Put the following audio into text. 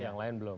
yang lain belum